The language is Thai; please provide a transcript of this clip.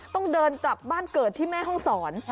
ต้องเดินกลับบ้านเกิดที่แม่ห้องศร